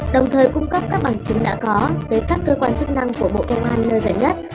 đồng thời cung cấp các bằng chứng đã có tới các cơ quan chức năng của bộ công an nơi gần nhất